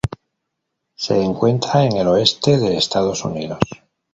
Se encuentra en el oeste de Estados Unidos.